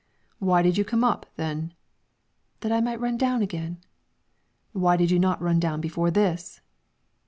"Why did you come up, then?" "That I might run down again." "Why did you not run down before this?"